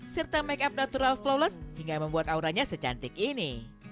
serta make up natural flowless hingga membuat auranya secantik ini